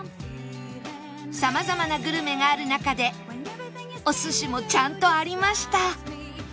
様々なグルメがある中でお寿司もちゃんとありました